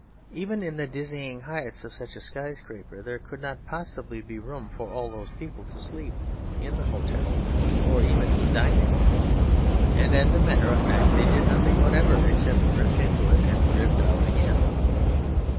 Even in the dizzy heights of such a sky scraper there could not possibly be room for all those people to sleep in the hotel, or even to dine in it. And, as a matter of fact, they did nothing whatever except drift into it and drift out again.